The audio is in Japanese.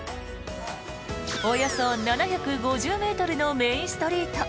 およそ７５０ｍのメインストリート